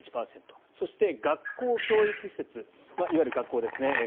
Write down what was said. そして学校・教育施設いわゆる学校ですね。